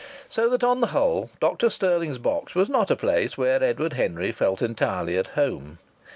So that, on the whole, Dr. Stirling's box was not a place where Edward Henry felt entirely at home.